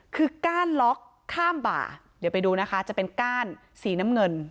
คือก้านล็อกข้ามบ่าเดี๋ยวไปดูนะคะจะเป็นก้านสีน้ำเงิน